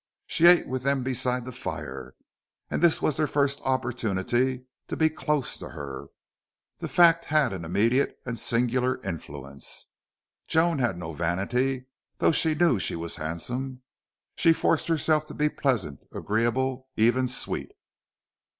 She ate with them beside the fire. And this was their first opportunity to be close to her. The fact had an immediate and singular influence. Joan had no vanity, though she knew she was handsome. She forced herself to be pleasant, agreeable, even sweet.